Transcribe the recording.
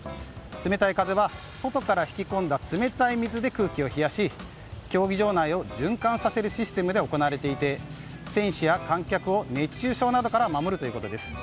冷たい風は外から引き込んだ冷たい水で空気を冷やし競技場内を循環させるシステムで行われていて選手や観客を熱中症などから守るということです。